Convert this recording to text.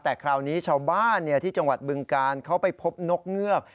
แต่คราวนี้ชาวบ้านที่จังหวัดบึงการเขาไปพบนกเงือก